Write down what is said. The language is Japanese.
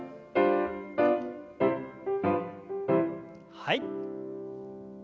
はい。